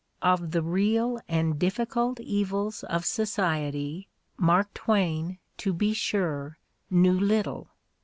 Of the real and difficult evils of society Mark Twain, to be sure, knew little.